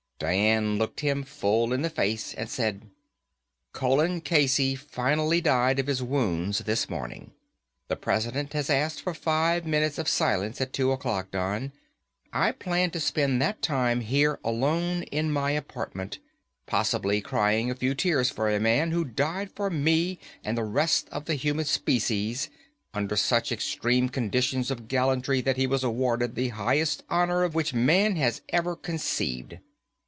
Dian looked him full in the face and said, "Colin Casey finally died of his wounds this morning. The President has asked for five minutes of silence at two o'clock. Don, I plan to spend that time here alone in my apartment, possibly crying a few tears for a man who died for me and the rest of the human species under such extreme conditions of gallantry that he was awarded the highest honor of which man has ever conceived.